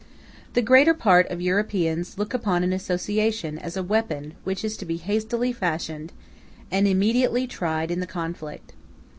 The greater part of Europeans look upon an association as a weapon which is to be hastily fashioned, and immediately tried in the conflict.